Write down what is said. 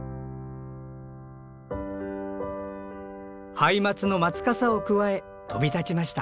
ハイマツの松かさをくわえ飛び立ちました。